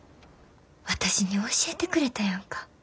私に教えてくれたやんか。